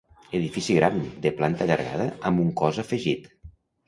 Edifici gran, de planta allargada amb un cos afegit.